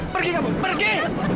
pergi kamu pergi